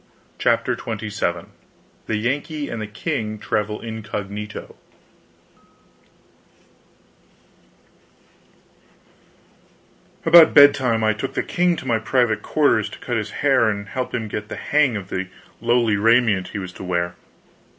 CHAPTER XXVII THE YANKEE AND THE KING TRAVEL INCOGNITO About bedtime I took the king to my private quarters to cut his hair and help him get the hang of the lowly raiment he was to wear.